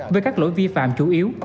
với các lỗi vi phạm chủ yếu